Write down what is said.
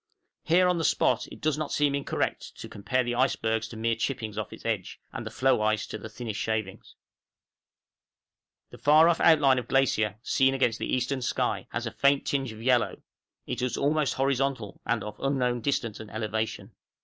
Here, on the spot, it does not seem incorrect to compare the icebergs to mere chippings off its edge, and the floe ice to the thinnest shavings. {GREATER GLACIER OF GREENLAND.} The far off outline of glacier, seen against the eastern sky, has a faint tinge of yellow; it is almost horizontal, and of unknown distance and elevation.